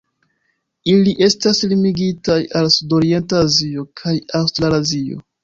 Ili estas limigitaj al sudorienta Azio kaj Aŭstralazio.